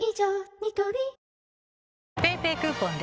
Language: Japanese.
ニトリＰａｙＰａｙクーポンで！